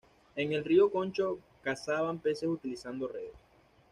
En el río Concho cazaban peces utilizando redes.